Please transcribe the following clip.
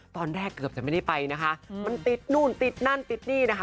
ตอนแรกเกือบจะไม่ได้ไปนะคะมันติดนู่นติดนั่นติดนี่นะคะ